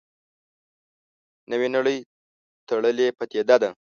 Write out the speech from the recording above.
نوې نړۍ تړلې پدیده ده.